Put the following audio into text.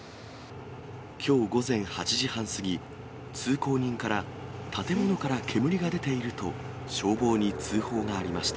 きょう午前８時半過ぎ、通行人から、建物から煙が出ていると消防に通報がありました。